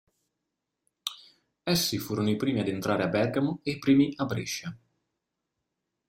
Essi furono i primi ad entrare a Bergamo e i primi a Brescia.